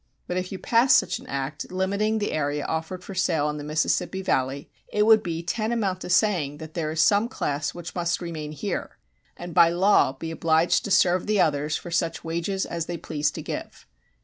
But if you passed such an act [limiting the area offered for sale in the Mississippi Valley], it would be tantamount to saying that there is some class which must remain here, and by law be obliged to serve the others for such wages as they please to give.